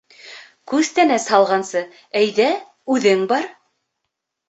Күстәнәс һалғансы, әйҙә, үҙең бар.